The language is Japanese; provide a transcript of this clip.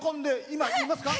今、いますか？